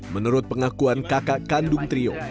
menurut pengakuan kakak kandung trio